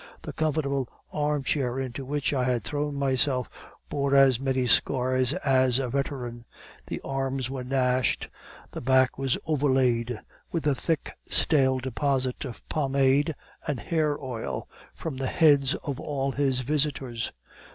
The comfortable armchair into which I had thrown myself bore as many scars as a veteran; the arms were gnashed, the back was overlaid with a thick, stale deposit of pomade and hair oil from the heads of all his visitors.